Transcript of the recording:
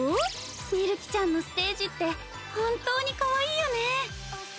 みるきちゃんのステージって本当にかわいいよね！